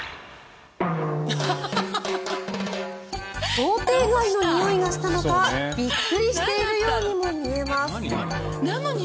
想定外のにおいがしたのかびっくりしているようにも見えます。